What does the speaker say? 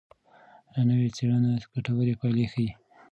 نوې څېړنه ګټورې پایلې ښيي.